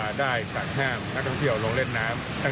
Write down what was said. ได้สั่งห้ามนักท่องเที่ยวลงเล่นน้ำ